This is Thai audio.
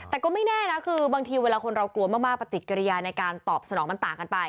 แต่ก็ไม่แน่น่ะคือมีประติกิริยาจะตอบสนองต่างกันไป